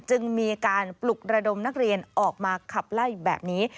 จึงมีการปลุกระดมนักเรียนออกมาขับไล่แบบนี้